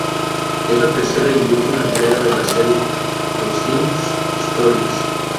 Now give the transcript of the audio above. Es la tercera y última entrega de la serie "Los Sims historias".